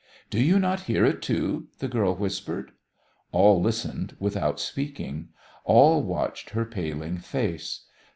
"Do you not hear it, too?" the girl whispered. All listened without speaking. All watched her paling face.